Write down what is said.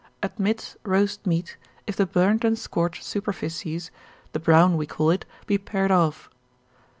admits roast meat, if the burned and scorched superficies, the brown we call it, be pared off.